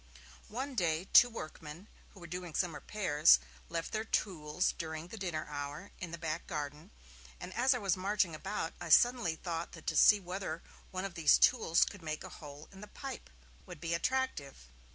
One day, two workmen, who were doing some repairs, left their tools during the dinner hour in the back garden, and as I was marching about I suddenly thought that to see whether one of these tools could make a hole in the pipe would be attractive.